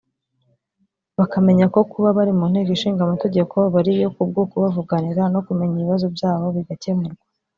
bakamenya ko kuba bari mu Nteko Ishinga Amategeko bariyo kubwo kubavuganira no kumenya ibibazo byabo bigakemurwa